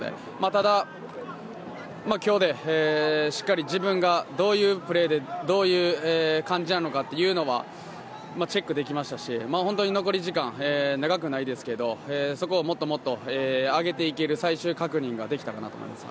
ただ今日でしっかり自分がどういうプレーでどういう感じなのかというのはチェックできましたし本当に残り時間長くないですけどそこをもっと上げていける最終確認ができたかなと思います。